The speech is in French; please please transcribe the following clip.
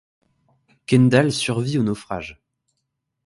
Kendall survit au naufrage.